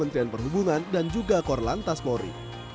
kementerian perhubungan dan juga kor lantas mori